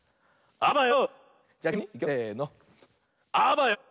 「あばよ」。